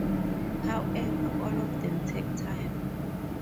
However, all of them take time.